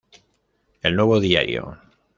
El Nuevo diario.